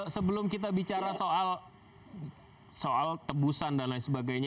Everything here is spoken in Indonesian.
sebelum kita bicara soal tebusan dan lain sebagainya